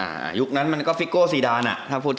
อ่ายุคนั้นมันก็ฟิโก้ซีดานอ่ะ